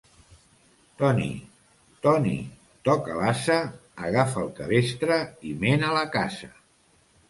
Toni, Toni, toca l'ase, agafa el cabestre i mena'l a casa.